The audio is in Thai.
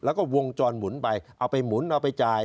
แล้วก็วงจรหมุนไปเอาไปหมุนเอาไปจ่าย